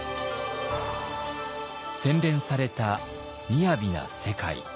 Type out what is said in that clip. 洗練されたみやびな世界。